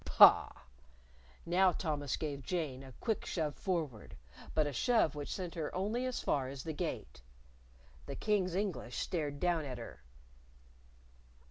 "Pah!" Now Thomas gave Jane a quick shove forward but a shove which sent her only as far as the Gate. The King's English stared down at her.